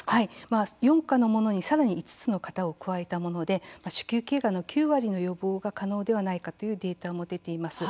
４価のものにさらに５つの型を加えたもので子宮頸がんの９割の予防が可能ではないかというデータも出ています。